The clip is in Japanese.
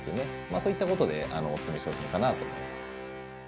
そういったことでおすすめ商品かなと思います。